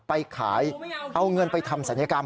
ไปขายเอาเงินไปทำศัลยกรรม